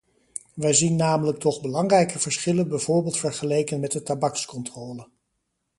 Wij zien namelijk toch belangrijke verschillen bijvoorbeeld vergeleken met de tabakscontrole.